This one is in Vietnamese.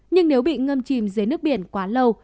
nhưng nếu bị ngâm chìm dưới nước biển quá lâu